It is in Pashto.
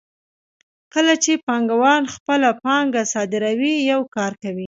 کله چې پانګوال خپله پانګه صادروي یو کار کوي